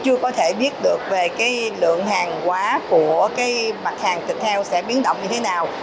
chưa có thể biết được về lượng hàng hóa của mặt hàng thịt heo sẽ biến động như thế nào